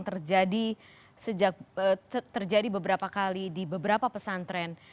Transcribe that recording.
terjadi sejak terjadi beberapa kali di beberapa pesantren